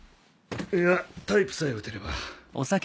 いやタイプさえ打てれば。